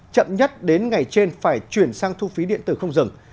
chậm nhất đến ngày trên phải chuyển sang thu phí điện tử không dừng